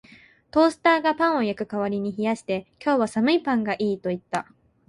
トースターがパンを焼く代わりに冷やして、「今日は寒いパンがいい」と言った